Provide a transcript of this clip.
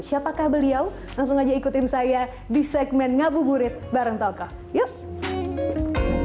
siapakah beliau langsung aja ikutin saya di segmen ngabuburit bareng tokoh yuk